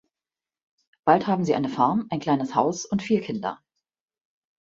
Bald haben sie eine Farm, ein kleines Haus und vier Kinder.